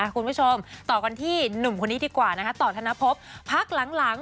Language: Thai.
คุณผู้ชมต่อกันที่หนุ่มคนนี้ดีกว่าต่อธนภพพักหลัง